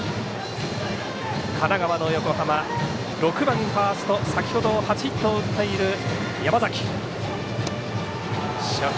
神奈川の横浜、６番ファースト先ほど初ヒットを打っている山崎。